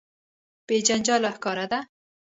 بې جنجاله ښکاره ده.